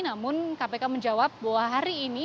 namun kpk menjawab bahwa hari ini